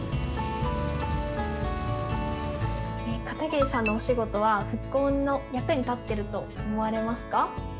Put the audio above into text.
片桐さんのお仕事は復興の役に立ってると思われますか？